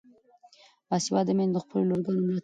باسواده میندې د خپلو لورګانو ملاتړ کوي.